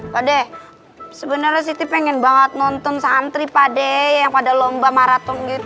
pade sebenarnya siti pengen banget nonton santri pade yang pada lomba maraton gitu